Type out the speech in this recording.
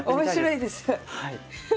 はい。